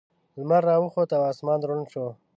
لمر راوخوت او اسمان روڼ شو.